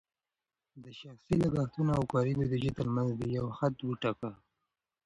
د شخصي لګښتونو او کاري بودیجې ترمنځ دې یو حد وټاکه.